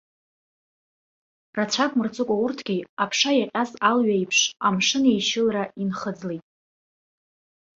Рацәак мырҵыкәа урҭгьы, аԥша иаҟьаз алҩа еиԥш, амшын еишьылра инхыӡлеит.